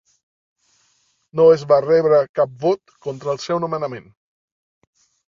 No es va rebre cap vot contra el seu nomenament.